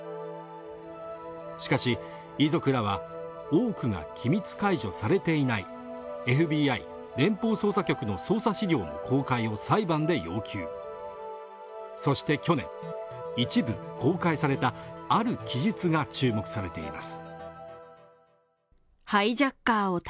しかし、遺族らは多くが機密解除されていないＦＢＩ＝連邦捜査局の捜査資料公開を裁判で要求そして去年、一部公開されたある記述が注目されています